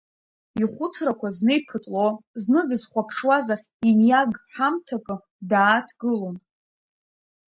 Ихәыцрақәа зны иԥытло, зны дызхәаԥшуаз ахь иниаг ҳамҭакы дааҭгылон.